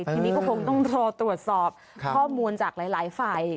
ทีนี้ก็คงต้องรอตรวจสอบข้อมูลจากหลายฝ่าย